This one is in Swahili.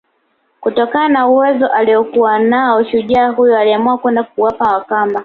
Kutokana na uwezo aliokuwa nao shujaa huyo aliamua kwenda kuwapiga Wakamba